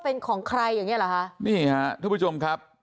เป็นของใครอย่างเงี้เหรอคะนี่ฮะทุกผู้ชมครับ